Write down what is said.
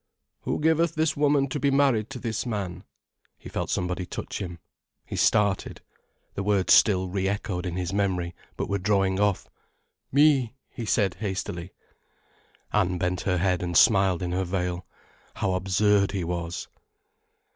"Who giveth this woman to be married to this man?" He felt somebody touch him. He started. The words still re echoed in his memory, but were drawing off. "Me," he said hastily. Anna bent her head and smiled in her veil. How absurd he was.